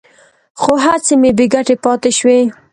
خو هڅې مې بې ګټې پاتې شوې.